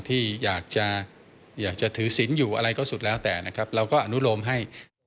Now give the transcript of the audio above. ที่อยากจะถือศิลอยู่อะไรก็สุดแล้วแต่แล้วก็อนุโลมให้